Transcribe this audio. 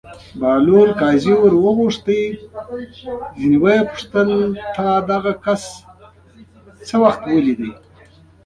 قاضي بهلول ور وغوښت او ترې ویې پوښتل: تا دغه کس کله لیدلی دی.